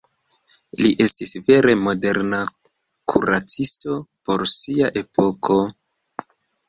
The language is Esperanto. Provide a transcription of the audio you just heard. Li estis vere moderna kuracisto por sia epoko.